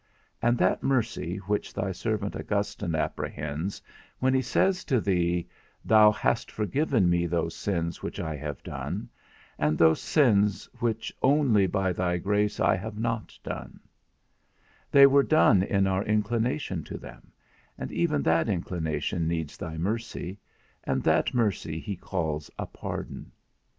And that mercy which thy servant Augustine apprehends when he says to thee, "Thou hast forgiven me those sins which I have done, and those sins which only by thy grace I have not done": they were done in our inclination to them, and even that inclination needs thy mercy, and that mercy he calls a pardon.